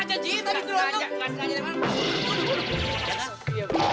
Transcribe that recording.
tidak ada lagi